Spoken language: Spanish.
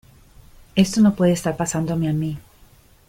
Esto no puede estar pasándome a mí.